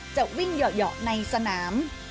จะวิ่งเหยาะในสนาม